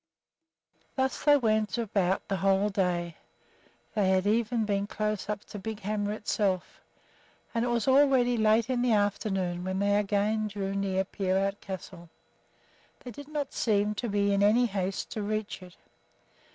Thus they went about the whole day, they had even been close up to Big Hammer itself, and it was already late in the afternoon when they again drew near Peerout Castle. They did not seem to be in any haste to reach it.